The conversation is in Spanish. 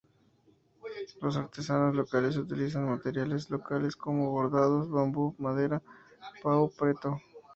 Los artesanos locales utilizan materiales locales como bordados, bambú, madera, "pau preto".